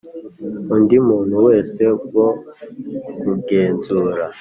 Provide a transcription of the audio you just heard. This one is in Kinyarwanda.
undi muntu wese bwo kugenzura